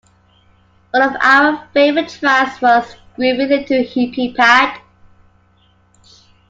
One of our favorite tracks was "Groovy Little Hippie Pad".